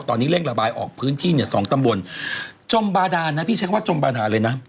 ตอนนี้เร่งระบายออกพื้นที่เนี่ยสองตำบลจมบาดานนะพี่ใช้คำว่าจมบาดานเลยนะ